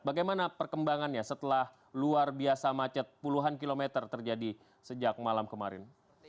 bagaimana perkembangannya setelah luar biasa macet puluhan kilometer terjadi sejak malam kemarin